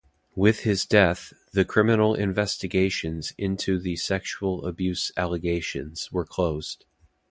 With his death, the criminal investigations into the sexual abuse allegations were closed.